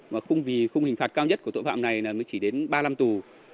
và khung hình phạt cao nhất của tội phạm này mới chỉ đến ba năm tù